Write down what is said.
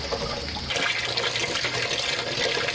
พร้อมทุกสิทธิ์